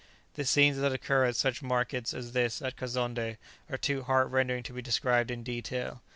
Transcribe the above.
The scenes that occur at such markets as this at Kazonndé are too heartrending to be described in detail.